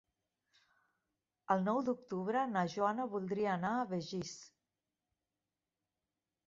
El nou d'octubre na Joana voldria anar a Begís.